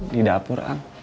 di dapur ang